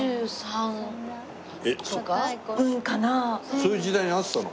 そういう時代に会ってたの？